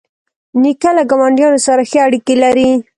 نیکه له ګاونډیانو سره ښې اړیکې لري.